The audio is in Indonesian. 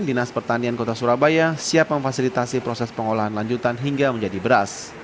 dinas pertanian kota surabaya siap memfasilitasi proses pengolahan lanjutan hingga menjadi beras